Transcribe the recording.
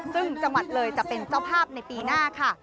ซึ่งจังหวัดเลยจะเป็นเจ้าภาพในปีหน้าค่ะ